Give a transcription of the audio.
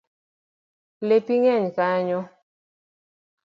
Lepi ng’eny kanyo